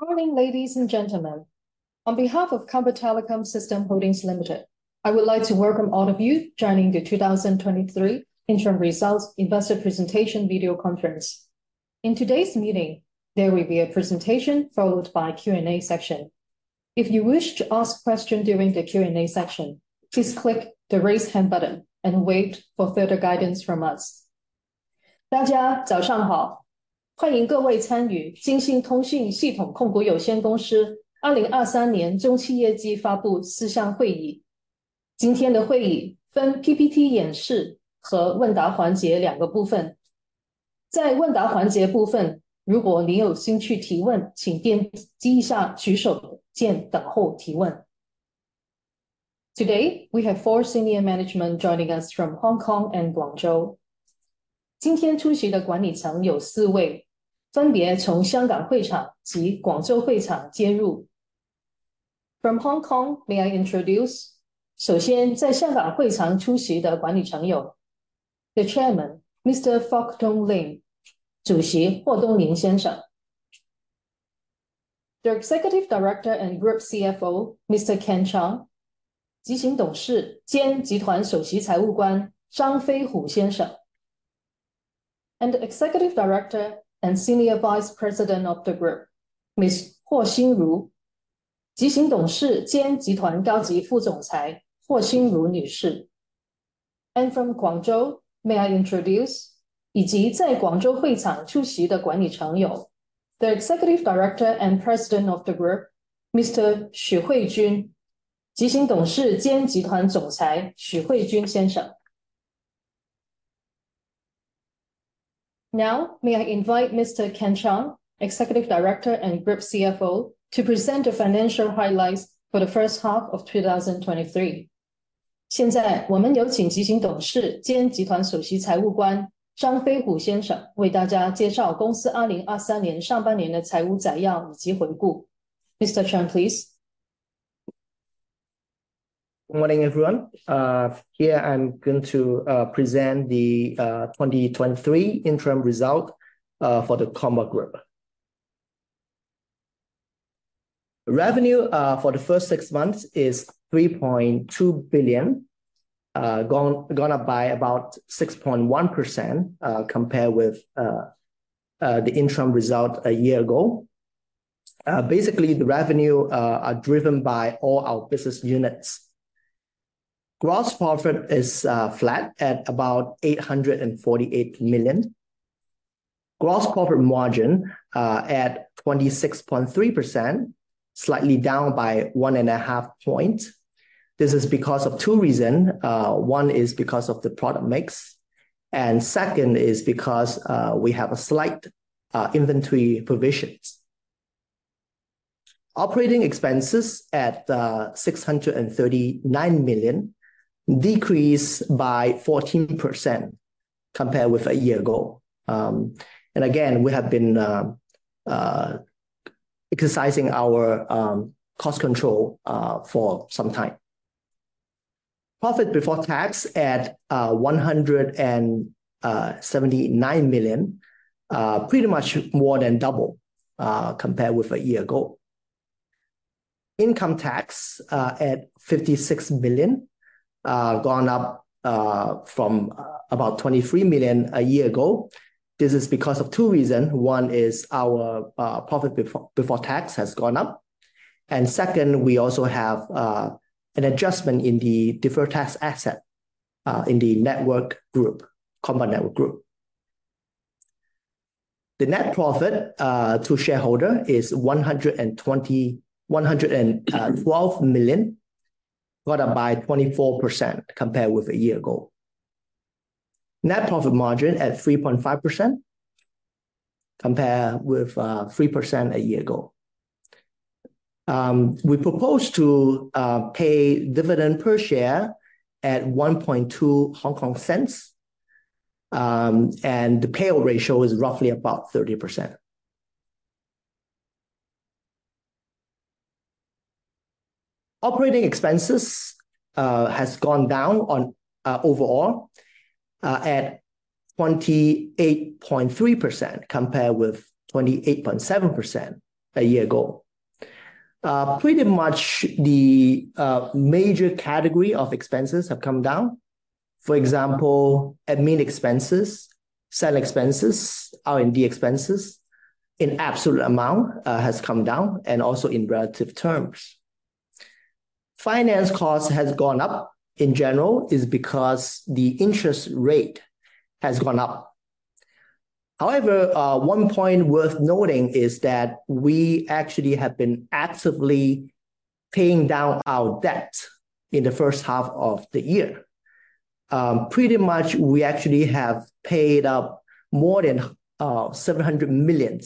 Good morning, ladies and gentlemen. On behalf of Comba Telecom Systems Holdings Limited, I would like to welcome all of you joining the 2023 interim results investor presentation video conference. In today's meeting, there will be a presentation followed by a Q&A section. If you wish to ask question during the Q&A section, please click the Raise Hand button and wait for further guidance from us.「大家早上好，欢迎各位参与金信通讯系统控股有限公司2023年中期业绩发布会思享会议。今天会议分PPT演示和问答环节两个部分。在问答环节部分，如果您有兴趣提问，请点击一下举手键，等待提问。」Today, we have four senior management joining us from Hong Kong and Guangzhou. Today, the management attending consists of four members, connecting respectively from the Hong Kong venue and the Guangzhou venue. From Hong Kong, may I introduce. First, the management attending from the Hong Kong venue includes: the Chairman, Mr. Fok Tung Ling. The Executive Director and Group CFO, Mr. Ken Chang. And the Executive Director and Senior Vice President of the Group, Ms. Huo Xinru,「执行董事兼集团高级副总裁霍新茹女士。」And from Guangzhou, may I introduce,「以及在广州会场出席的管理层有：」the Executive Director and President of the Group, Mr. Xu Huijun,「执行董事兼集团总裁许汇君先生。」Now, may I invite Mr. Ken Chang, Executive Director and Group CFO, to present the financial highlights for the first half of 2023.「现在我们有请执行董事兼集团首席财务官张飞虎先生为大家介绍公司二零二三年上半年的财务摘要以及回顾。」Mr. Chang, please. Good morning, everyone. Here I'm going to present the 2023 interim result for the Comba Group. Revenue for the first six months is 3.2 billion, gone up by about 6.1% compared with the interim result a year ago. Basically, the revenue are driven by all our business units. Gross profit is flat at about 848 million. Gross profit margin at 26.3%, slightly down by 1.5 point. This is because of two reason. One is because of the product mix, and second is because we have a slight inventory provisions. Operating expenses at 639 million, decrease by 14% compared with a year ago. Again, we have been exercising our cost control for some time. Profit before tax at 179 million, pretty much more than double compared with a year ago. Income tax at 56 million, gone up from about 23 million a year ago. This is because of two reason. One is our profit before tax has gone up, and second, we also have an adjustment in the deferred tax asset in the network group, Comba Network Group. The net profit to shareholder is 112 million, gone up by 24% compared with a year ago. Net profit margin at 3.5%, compare with 3% a year ago. We propose to pay dividend per share at 0.012, and the payout ratio is roughly about 30%. Operating expenses has gone down overall at 28.3%, compared with 28.7% a year ago. Pretty much the major category of expenses have come down. For example, admin expenses, sell expenses, R&D expenses, in absolute amount, has come down and also in relative terms. Finance cost has gone up. In general, is because the interest rate has gone up. However, one point worth noting is that we actually have been actively paying down our debt in the first half of the year. Pretty much we actually have paid up more than 700 million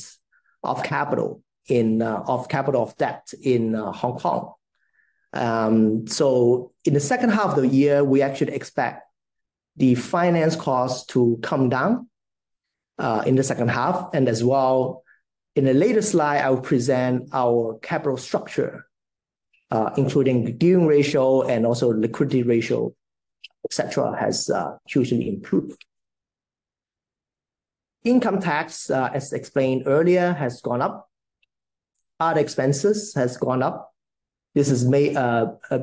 of capital in of capital of debt in Hong Kong. So in the second half of the year, we actually expect the finance cost to come down in the second half, and as well, in a later slide, I will present our capital structure, including the gearing ratio and also liquidity ratio, etc., has hugely improved. Income tax, as explained earlier, has gone up. Other expenses has gone up. This is may,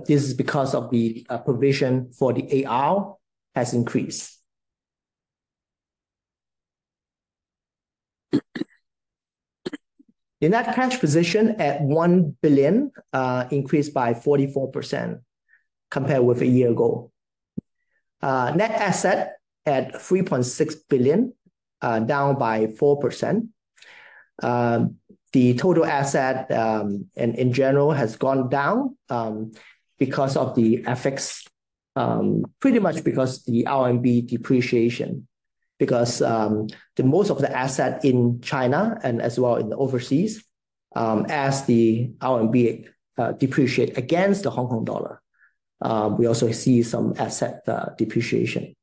this is because of the provision for the AR has increased. In that cash position, at 1 billion, increased by 44% compared with a year ago. Net asset at 3.6 billion, down by 4%. The total asset, in general, has gone down, because of the FX, pretty much because the RMB depreciation. Because, the most of the assets in China and as well in the overseas, as the RMB depreciate against the Hong Kong dollar. We also see some asset depreciation.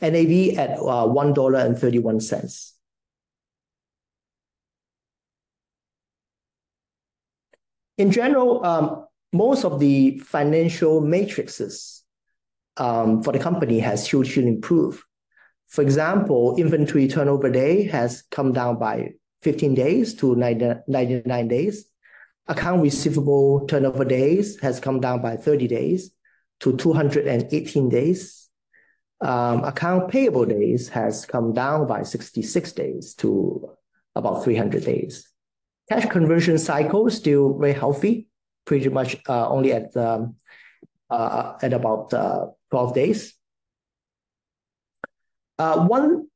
NAV at HKD 1.31. In general, most of the financial metrics for the company has hugely improved. For example, inventory turnover day has come down by 15 days to 99 days. Account receivable turnover days has come down by 30 days to 218 days. Account payable days has come down by 66 days to about 300 days. Cash conversion cycle is still very healthy, pretty much only at about 12 days. One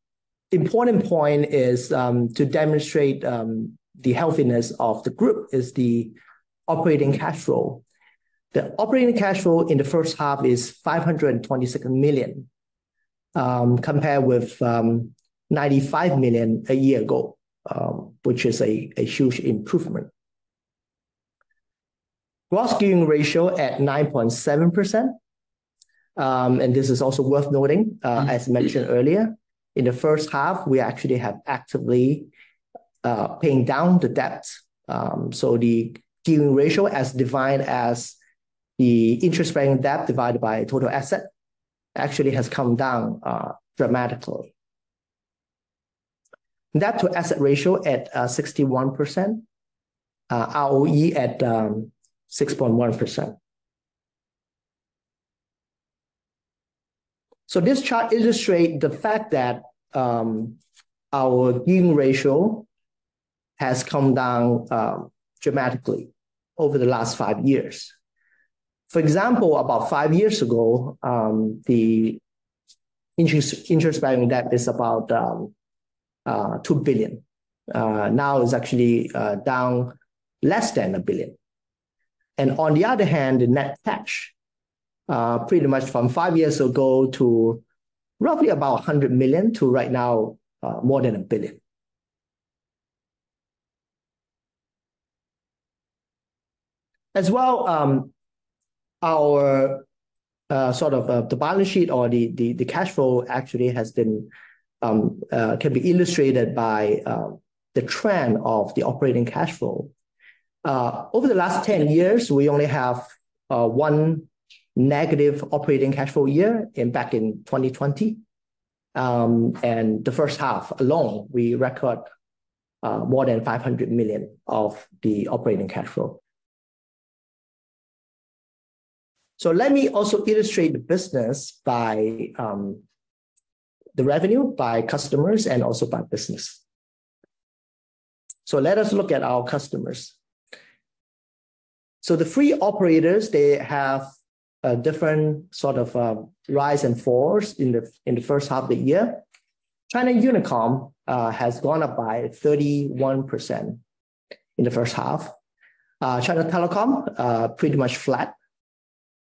important point is, to demonstrate, the healthiness of the group is the operating cash flow. The operating cash flow in the first half is 526 million, compared with 95 million a year ago, which is a huge improvement. Gross gearing ratio at 9.7%. And this is also worth noting, as mentioned earlier, in the first half, we actually have actively paying down the debt. So the gearing ratio, as defined as the interest-bearing debt divided by total asset, actually has come down dramatically. Debt-to-asset ratio at 61%. ROE at 6.1%. This chart illustrate the fact that our gearing ratio has come down dramatically over the last five years. For example, about five years ago, the interest-bearing debt is about two billion. Now is actually down less than a billion. On the other hand, the net cash pretty much from five years ago to roughly about 100 million to right now more than 1 billion. As well, our sort of the balance sheet or the cash flow actually has been can be illustrated by the trend of the operating cash flow. Over the last 10 years, we only have one negative operating cash flow year in back in 2020. And the first half alone, we record more than 500 million of the operating cash flow. Let me also illustrate the business by the revenue, by customers, and also by business. Let us look at our customers. The three operators, they have a different sort of rise and falls in the first half of the year. China Unicom has gone up by 31% in the first half. China Telecom pretty much flat.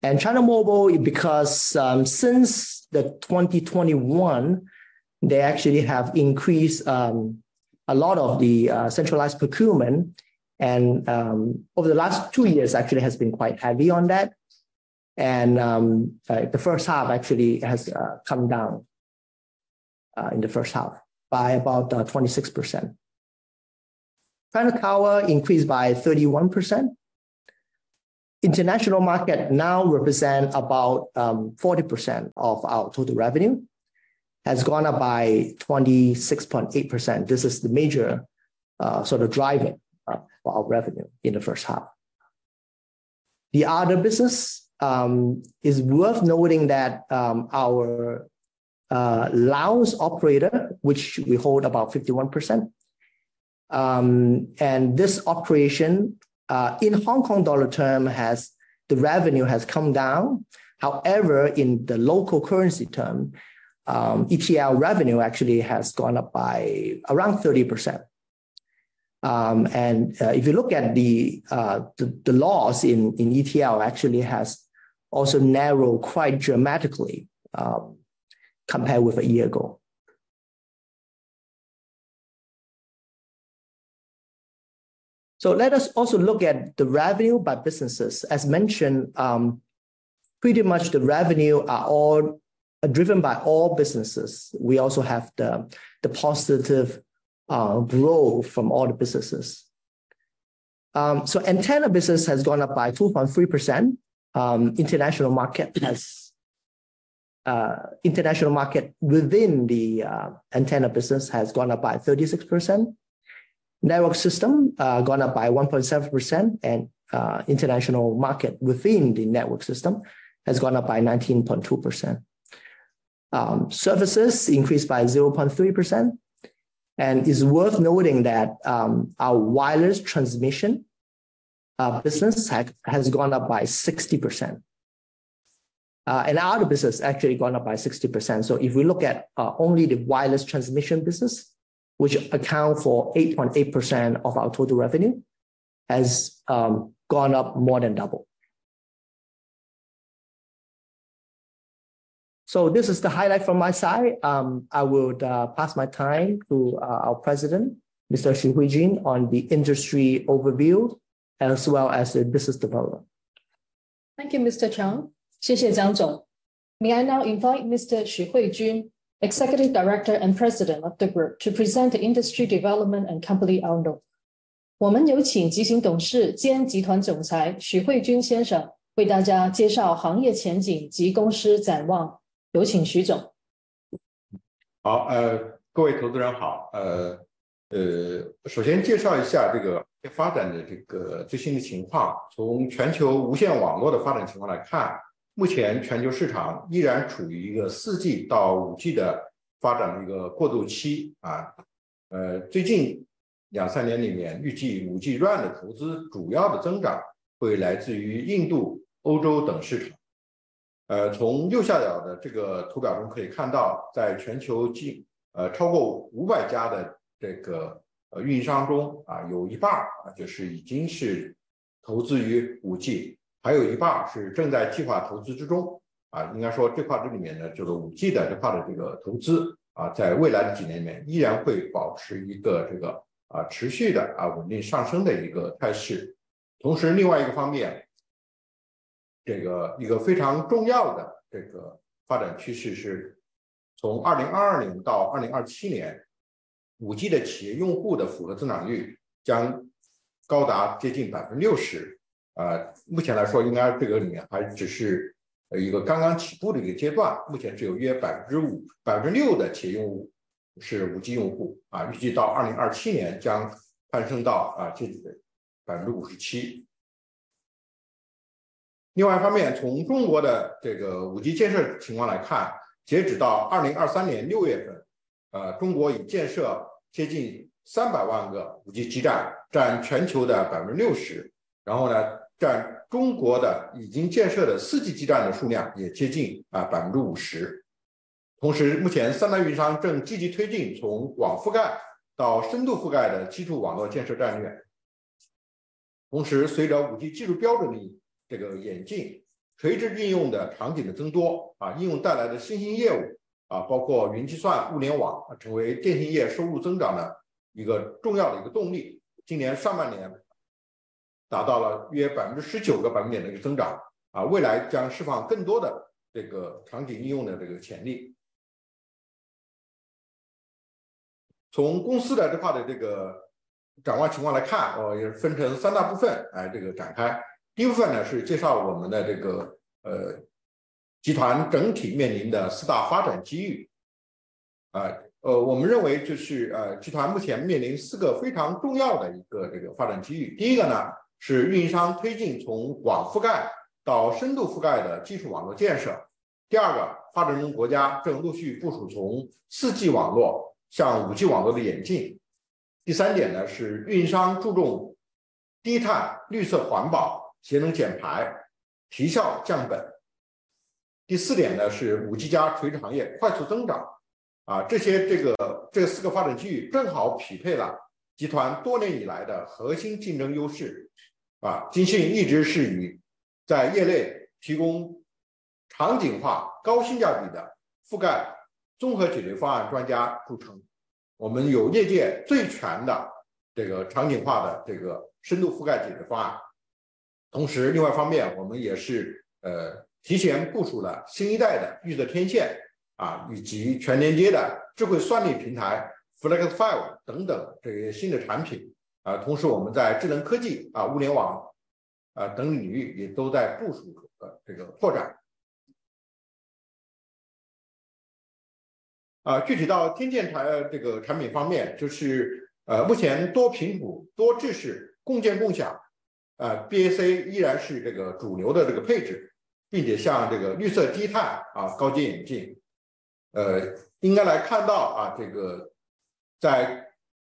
And China Mobile, because since 2021, they actually have increased a lot of the centralized procurement. And over the last two years, actually has been quite heavy on that. And the first half actually has come down in the first half by about 26%. China Tower increased by 31%. International market now represent about 40% of our total revenue, has gone up by 26.8%. This is the major sort of driver of our revenue in the first half. The other business is worth noting that our Laos operator, which we hold about 51%. And this operation, in Hong Kong dollar term, the revenue has come down. However, in the local currency term, ETL revenue actually has gone up by around 30%. And, if you look at the loss in ETL actually has also narrowed quite dramatically, compared with a year ago. So let us also look at the revenue by businesses. As mentioned, pretty much the revenue are all, are driven by all businesses. We also have the positive growth from all the businesses.... So antenna business has gone up by 2.3%. International market has, international market within the antenna business has gone up by 36%. Network system gone up by 1.7%, and international market within the network system has gone up by 19.2%. Services increased by 0.3%. And is worth noting that, our wireless transmission business has gone up by 60%, and our business actually gone up by 60%. So if we look at, only the wireless transmission business, which account for 8.8% of our total revenue, as gone up more than double. So this is the highlight from my side. I will pass my time to our president, Mr. Xu Huijun, on the industry overview as well as the business development. Thank you, Mr. Chang. 谢谢张总. May I now invite Mr. Xu Huijun, Executive Director and President of the Group, to present the industry development and company outlook. 我们有请执行董事兼集团总裁许汇军先生为大家介绍行业前景及公司展望. 同时我们在智能科技啊、物联网啊等领域也都在部署这个拓展。具体到天线系统这个产品方面，就是，目前多频段、多制式共建共享，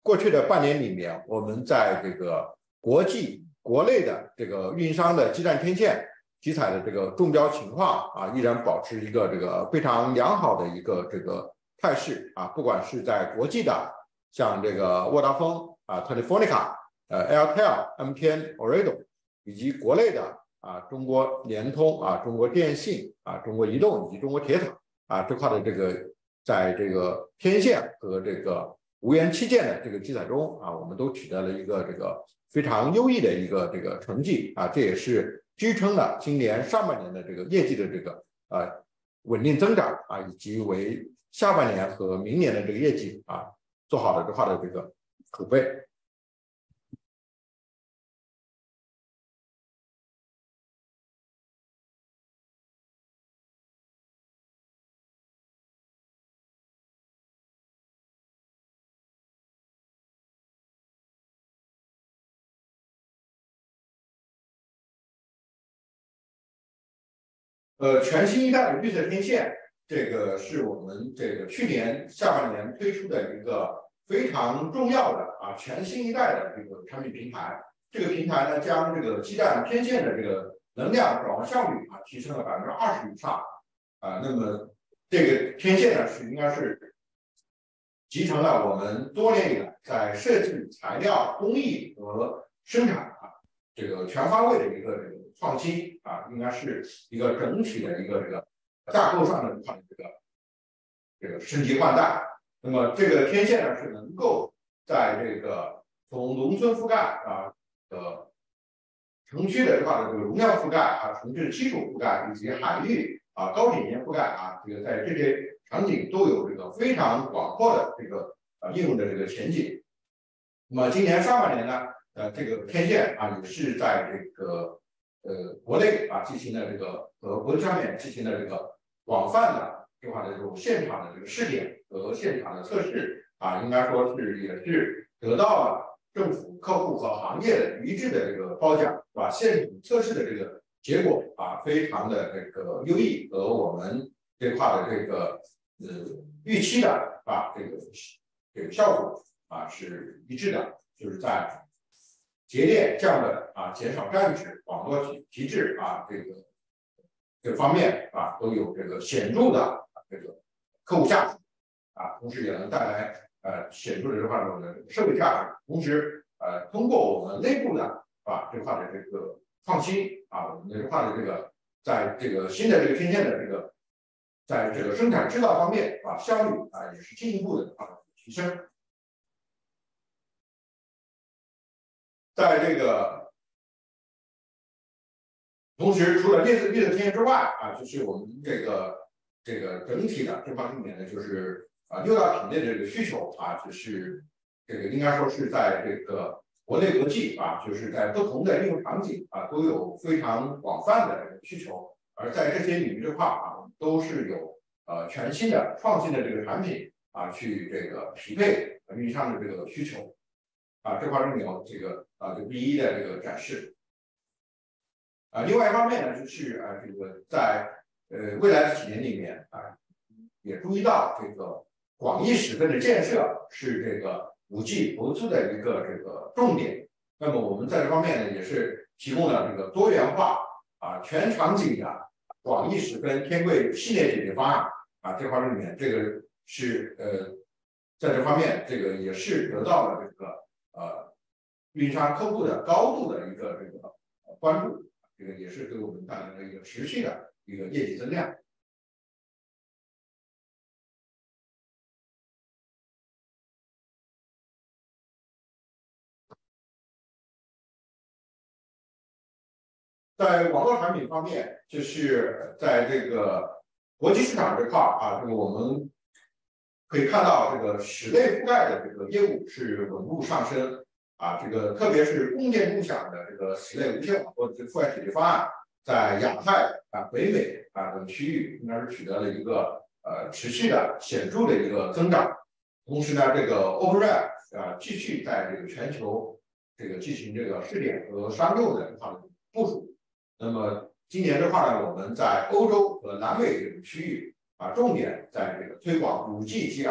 等区域应该是取得了一个，持续的显著的一个增长。同时呢，这个Open ran，继续在这个全球这个进行这个试点和商用的部署。那么今年的话呢，我们在欧洲和南美地区区域，重点在这个推广5g